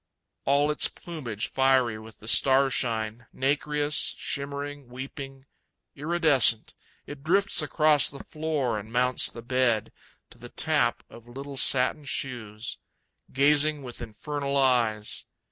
All its plumage fiery with the starshine, Nacreous, shimmering, weeping, iridescent, It drifts across the floor and mounts the bed, To the tap of little satin shoes. Gazing with infernal eyes.